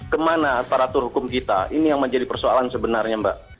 kemana aparatur hukum kita ini yang menjadi persoalan sebenarnya mbak